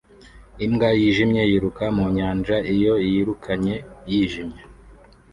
Imbwa yijimye yiruka mu nyanja iyo yirukanye yijimye